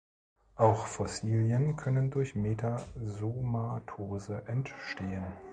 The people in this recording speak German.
Auch Fossilien können durch Metasomatose entstehen.